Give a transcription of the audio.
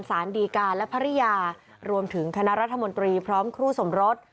สารดีการและภรรยารวมถึงคณะรัฐมนตรีพร้อมครูสมรส